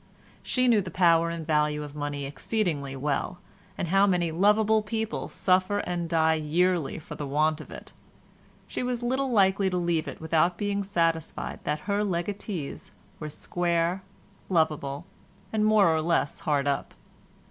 She knew the power and value of money exceedingly well, and how many lovable people suffer and die yearly for the want of it; she was little likely to leave it without being satisfied that her legatees were square, lovable, and more or less hard up.